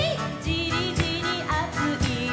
「じりじりあつい」